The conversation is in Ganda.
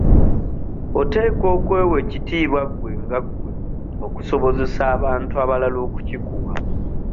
Oteekwa okwewa ekitiibwa gwe nga gwe okusobozesa abantu abalala okukikuwa.